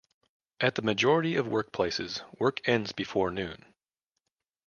At the majority of workplaces, work ends before noon.